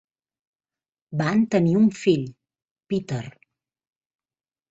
Van tenir un fill, Peter.